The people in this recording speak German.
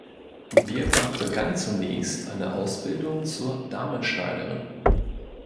Bierbach begann zunächst eine Ausbildung zur Damenschneiderin.